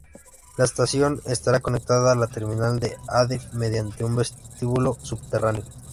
La estación estará conectada la terminal de Adif mediante un vestíbulo subterráneo.